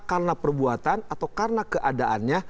karena perbuatan atau karena keadaannya